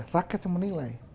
rakyat yang menilai